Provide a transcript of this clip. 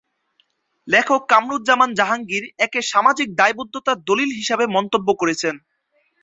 লেখক কামরুজ্জামান জাহাঙ্গীর, একে সামাজিক দায়বদ্ধতার দলিল হিসেবে মন্তব্য করেছেন।